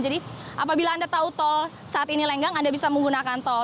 jadi apabila anda tahu tol saat ini lenggang anda bisa menggunakan tol